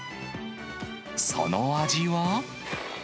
その味は。